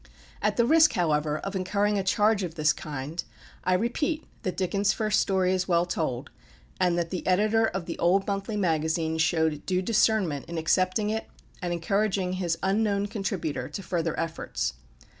At the risk, however, of incurring a charge of this kind, I repeat that Dickens' first story is well told, and that the editor of The Old Monthly Magazine showed due discernment in accepting it and encouraging his unknown contributor to further efforts.